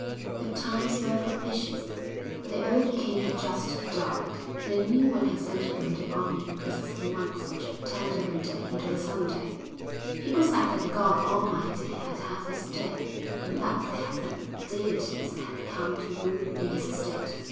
The times were propitious, for the old king had just died, and the new one had sent away the army of priests and monks which had turned every day into a Sunday; people said that God Almighty had had His day, and that the heathen deities had come to rule in His stead.